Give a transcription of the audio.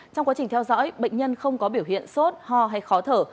trong quá trình theo dõi bệnh nhân không có biểu hiện sốt ho hay khó thở